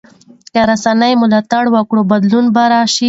که رسنۍ ملاتړ وکړي بدلون به راشي.